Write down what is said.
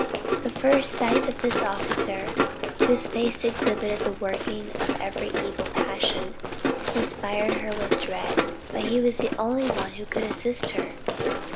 The first sight of this officer, whose face exhibited the working of every evil passion, inspired her with dread, but he was the only one who could assist her.